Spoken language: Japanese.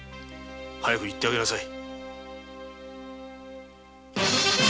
早く行ってやりなさい。